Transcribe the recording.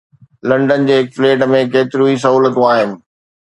London جي هڪ flat ۾ ڪيتريون ئي سهولتون آهن.